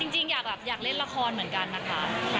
จริงอยากเล่นละครเหมือนกันนะคะ